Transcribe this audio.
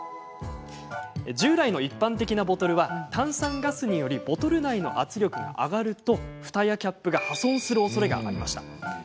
従来の一般的なボトルは炭酸ガスによりボトル内の圧力が上がるとふたやキャップが破損するおそれがありました。